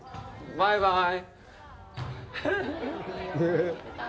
バイバーイ。